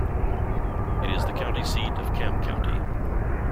It is the county seat of Camp County.